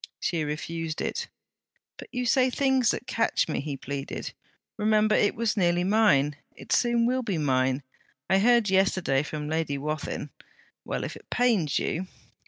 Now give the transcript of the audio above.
She refused it. 'But you say things that catch me!' he pleaded. 'Remember, it was nearly mine. It soon will be mine. I heard yesterday from Lady Wathin... well, if it pains you!'